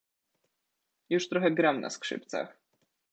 "Już trochę gram na skrzypcach."